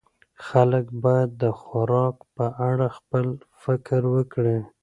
خلک باید د خوراک په اړه خپل فکر وکړي.